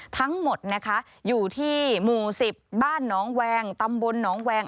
ทั้งหมดนะคะอยู่ที่หมู่๑๐บ้านหนองแวงตำบลหนองแวง